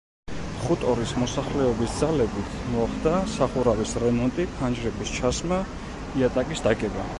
ხუტორის მოსახლეობის ძალებით მოხდა სახურავის რემონტი, ფანჯრების ჩასმა, იატაკის დაგება.